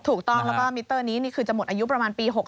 ถูกต้องแล้วก็มิเตอร์นี้นี่คือจะหมดอายุประมาณปี๖๐